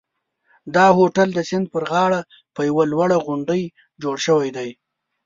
دا هوټل د سیند پر غاړه په یوه لوړه غونډۍ جوړ شوی دی.